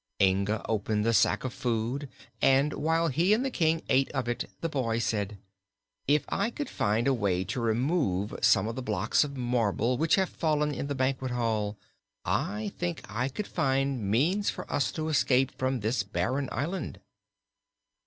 Inga opened the sack of food and while he and the King ate of it the boy said: "If I could find a way to remove some of the blocks of marble which have fallen in the banquet hall, I think I could find means for us to escape from this barren island."